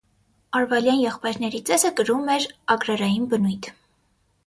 Արվալյան եղբայրների ծեսը կրում էր ագրարային բնույթ։